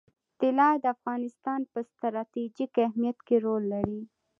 طلا د افغانستان په ستراتیژیک اهمیت کې رول لري.